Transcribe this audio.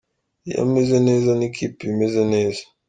Iyo ameze neza n’ikipe iba imeze neza.